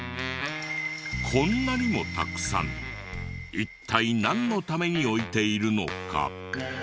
こんなにもたくさん一体なんのために置いているのか？